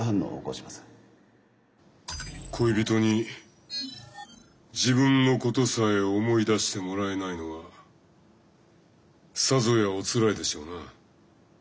恋人に自分のことさえ思い出してもらえないのはさぞやおつらいでしょうな。